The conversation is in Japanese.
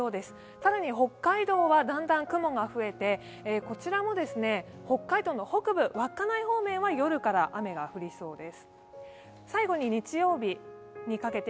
さらに北海道はだんだん雲が増えて、北海道の北部、稚内方面は夜から雨が降りそうです。